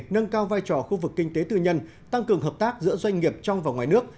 nâng cao vai trò khu vực kinh tế tư nhân tăng cường hợp tác giữa doanh nghiệp trong và ngoài nước